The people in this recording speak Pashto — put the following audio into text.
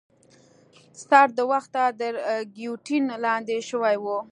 سر د وخته تر ګیوتین لاندي شوی وو.